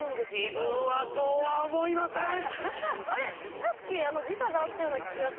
さっき時差があったような気がする。